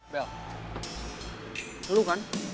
bel lu kan